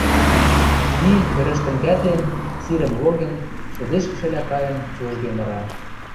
И, кӹрӹштӹн-кӓтлен, сирӹм логен, шӹдешкӹшӹлӓ кайын, цужге мыра